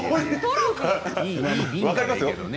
分かりますよ。